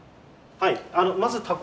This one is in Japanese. はい。